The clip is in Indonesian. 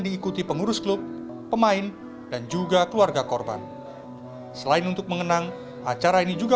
diikuti pengurus klub pemain dan juga keluarga korban selain untuk mengenang acara ini juga